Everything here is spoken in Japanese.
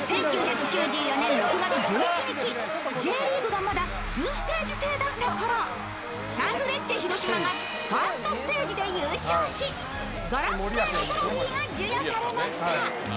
１９９４年６月１１日、Ｊリーグがまだ２ステージ制だったころサンフレッチェ広島がファーストステージで優勝しガラス製のトロフィーが授与されました。